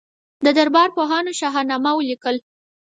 د دربار پوهانو شاهنامه ولیکله.